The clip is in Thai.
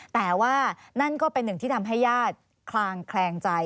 แต่ว่านั่นก็เป็นหนึ่งที่ทำให้ญาติคลางแคลงใจ